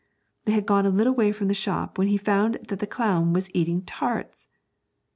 They had gone a little way from the shop when he found that the clown was eating tarts.